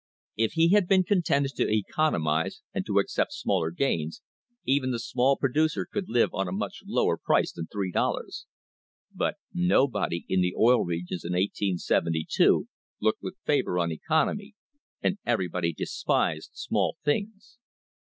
If he had been contented to economise and to accept small gains, even the small producer could live on a much lower price than three dollars ; but nobody in the Oil Regions in 1872 looked with favour on economy, and everybody despised small y things.